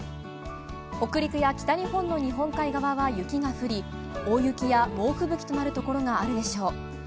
北陸や北日本の日本海側は雪が降り大雪や猛吹雪となるところがあるでしょう。